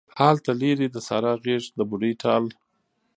هلته لیرې د سارا غیږ د بوډۍ ټال